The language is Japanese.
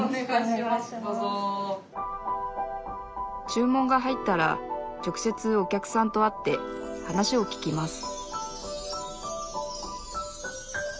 注文が入ったら直接お客さんと会って話を聞きます